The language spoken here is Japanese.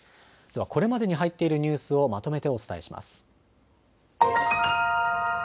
では、これまでに入っているニュースをまとめてお伝えします。